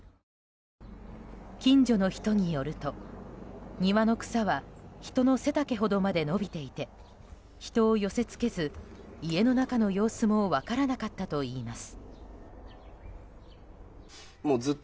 近所の人によると、庭の草は人の背丈ほどまで伸びていて人を寄せ付けず、家の中の様子も分からなかったといいます。